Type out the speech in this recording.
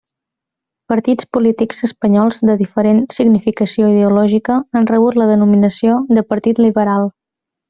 Partits polítics espanyols de diferent significació ideològica han rebut la denominació de Partit liberal.